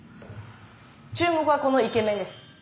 注目はこのイケメンです。